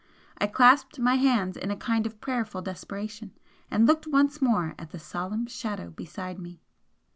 I clasped my hands in a kind of prayerful desperation, and looked once more at the solemn Shadow beside me.